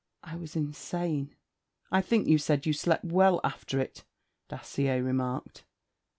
'I was insane.' 'I think you said you slept well after it,' Dacier remarked.